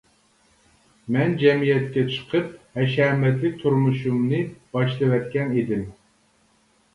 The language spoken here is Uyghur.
مەن جەمئىيەتكە چىقىپ ھەشەمەتلىك تۇرمۇشۇمنى باشلىۋەتكەن ئىدىم.